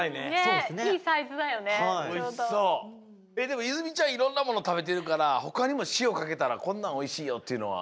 でも泉ちゃんいろんなもの食べてるからほかにも塩かけたらこんなんおいしいよっていうのは？